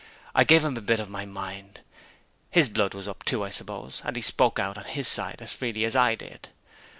I gave him a bit of my mind. His blood was up too, I suppose; and he spoke out, on his side, as freely as I did.